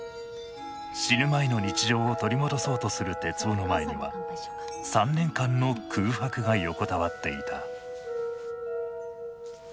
死ぬ前の日常を取り戻そうとする徹生の前には３年間の空白が横たわっていた。